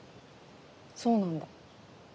そうなんだ。